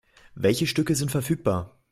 Welche Stücke sind verfügbar?